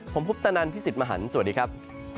ผมคุปตะนันพี่สิทธิ์มหันฯสวัสดีครับ